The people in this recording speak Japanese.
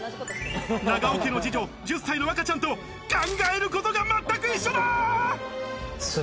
長尾家の二女１０歳の和花ちゃんと考えることが全く一緒だ！